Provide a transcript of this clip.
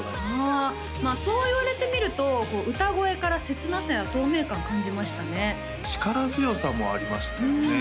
あまあそう言われてみるとこう歌声から切なさや透明感感じましたね力強さもありましたよね